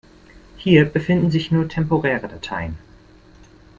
Hier befinden sich nur temporäre Dateien.